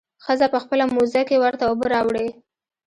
ښځه په خپله موزه کښې ورته اوبه راوړي.